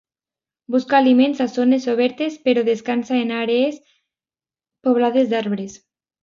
Busca aliment a zones obertes, però descansa en àrees poblades d'arbres.